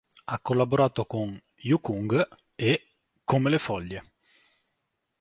Ha collaborato con "Yu Kung" e "Come le foglie".